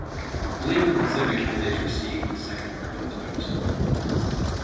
The Labour and Conservative candidates received the second preference votes.